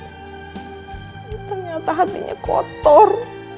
tapi ternyata hatinya kotor